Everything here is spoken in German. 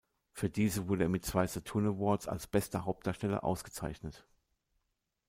Für diese wurde er mit zwei Saturn Awards als bester Hauptdarsteller ausgezeichnet.